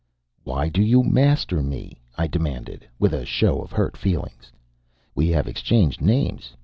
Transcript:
"Why do you 'master' me?" I demanded, with a show of hurt feelings. "We have exchanged names.